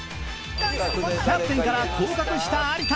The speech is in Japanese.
キャプテンから降格した有田